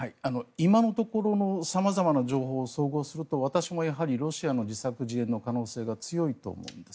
今のところの様々な情報を総合すると私もやはりロシアの自作自演の可能性が強いと思うんです。